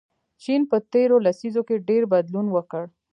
چین په تیرو لسیزو کې ډېر بدلون وکړ.